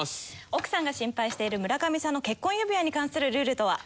奥さんが心配している村上さんの結婚指輪に関するルールとは？